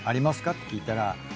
って聞いたら。